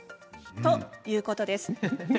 ということです。